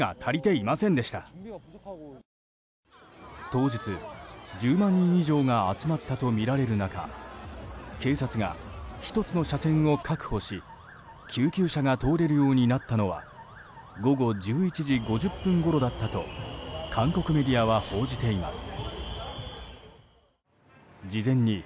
当日、１０万人以上が集まったとみられる中警察が１つの車線を確保し救急車が通れるようになったのは午後１１時５０分ごろだったと韓国メディアは報じています。